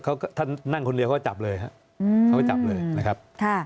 เขาถ้านั่งคนเดียวเขาก็จับเลยนะครับ